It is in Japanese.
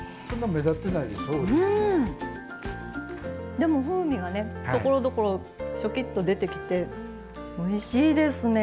でも風味がところどころシャキッと出てきておいしいですね。